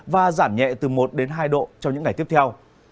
và giảm nhẹ từ một hai độ trong những ngày tiếp theo